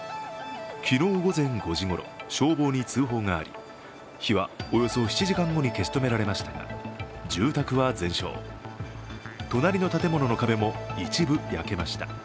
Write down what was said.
昨日午前５時ごろ消防に通報があり火はおよそ７時間後に消し止められましたが住宅は全焼、隣の建物の壁も一部焼けました。